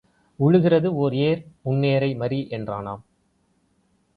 உழுகிறது ஓர் ஏர் முன் ஏரை மறி என்றானாம்.